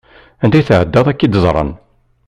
Anda tεeddaḍ ad k-id-ẓren.